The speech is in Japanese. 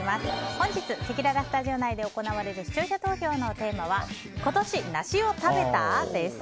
本日、せきららスタジオ内で行われる視聴者投票のテーマは今年梨を食べた？です。